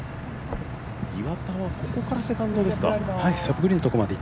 岩田はここからセカンドですか？